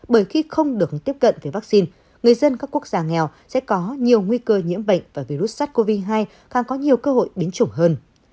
bởi khi không được tiếp cận với vaccine người dân các quốc gia nghèo sẽ có nhiều nguy cơ nhiễm bệnh và virus sars cov hai càng có nhiều cơ hội biến chủng hơn